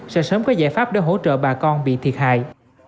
sẽ sớm có giải pháp để hỗ trợ bà con bị thiệt hại